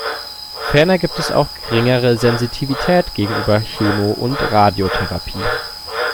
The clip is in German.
Ferner gibt es auch geringere Sensitivität gegenüber Chemo- und Radiotherapie.